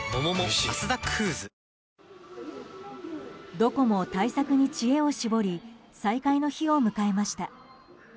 どこも対策に知恵を絞り再開の日を迎えました。